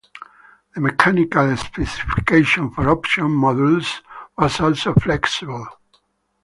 The mechanical specification for option modules was also flexible.